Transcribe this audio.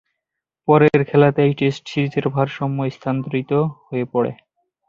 পরের খেলাতেই টেস্ট সিরিজের ভারসাম্য স্থানান্তরিত হয়ে পড়ে।